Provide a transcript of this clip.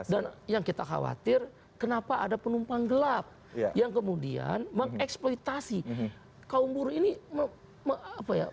dan yang kita khawatir kenapa ada penumpang gelap yang kemudian mengeksploitasi kaum buruk ini menjelang masa depan kita